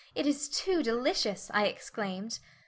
It is too delicious," I exclaimed.